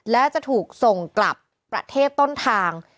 และจะถูกส่งกลับประเทศต้นทาง